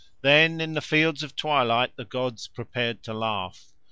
Then in the Fields of Twilight the gods prepared to laugh.